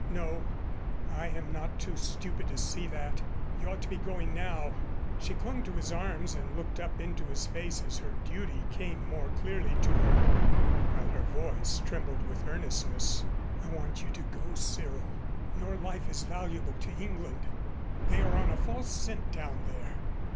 "No. I am not too stupid to see that. You ought to be going now." She clung to his arms and looked up into his face as her duty came more clearly to her, while her voice trembled with earnestness. "I want you to go, Cyril. Your life is valuable to England. They are on a false scent down there.